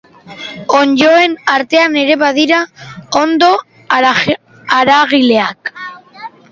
Onddoen artean ere badira onddo haragijaleak.